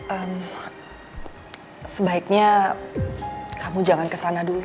em sebaiknya kamu jangan ke sana dulu